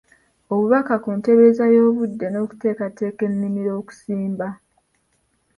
Obubaka ku nteebereza y'obudde n'okuteeketeeka ennimiro okusimba.